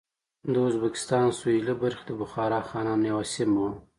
د ازبکستان سوېلې برخې د بخارا خانانو یوه سیمه وه.